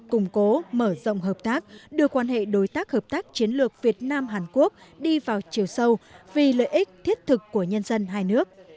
củng cố mở rộng hợp tác đưa quan hệ đối tác hợp tác chiến lược việt nam hàn quốc đi vào chiều sâu vì lợi ích thiết thực của nhân dân hai nước